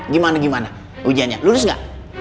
gimana gimana ujiannya lurus gak